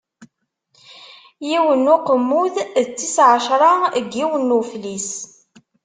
Yiwen n Uqemmud, d tis ɛecṛa n yiwen n Uflis.